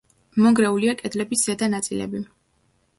მონგრეულია კედლების ზედა ნაწილები.